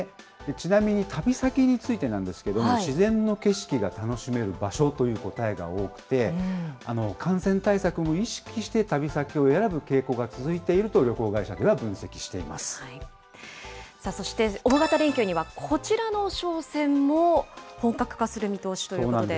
ちなみに旅先についてなんですけれども、自然の景色が楽しめる場所という答えが多くて、感染対策も意識して旅先を選ぶ傾向が続いていると旅行会社では分そして、大型連休にはこちらの商戦も本格化する見通しということで。